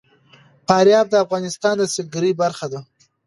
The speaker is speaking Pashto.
فاریاب د افغانستان د سیلګرۍ برخه ده.